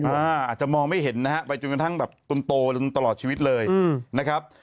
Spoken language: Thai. อาจจะมองไม่เห็นนะฮะไปจนกระทั่งแบบจนโตจนตลอดชีวิตเลยนะครับ